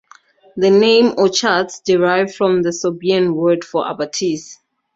The name Oschatz derives from the Sorbian word for abatis.